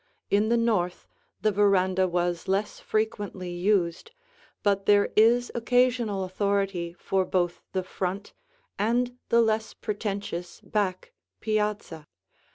In the north, the veranda was less frequently used, but there is occasional authority for both the front and the less pretentious back piazza.